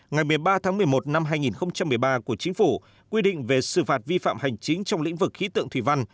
ngày một mươi ba tháng một mươi một năm hai nghìn một mươi ba của chính phủ quy định về xử phạt vi phạm hành chính trong lĩnh vực khí tượng thủy văn